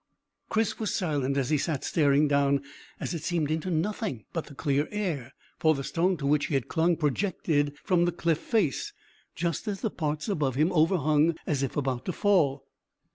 Chris was silent as he sat staring down as it seemed into nothing but the clear air, for the stone to which he had clung projected from the cliff face, just as the parts above him overhung as if about to fall.